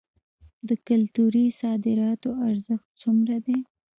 د کلتوري صادراتو ارزښت څومره دی؟